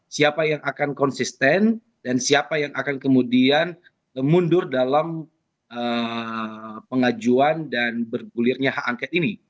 siapa yang akan konsisten dan siapa yang akan kemudian mundur dalam pengajuan dan bergulirnya hak angket ini